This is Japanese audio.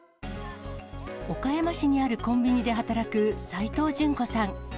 岡山市にあるコンビニで働く齋藤純子さん。